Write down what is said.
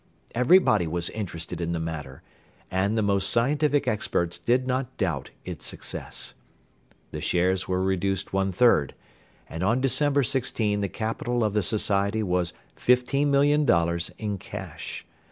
Everybody was interested in the matter, and the most scientific experts did not doubt its success. The shares were reduced one third, and on Dec. 16 the capital of the Society was $15,000,000 in cash.